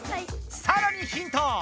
さらにヒント！